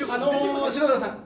あの篠田さん。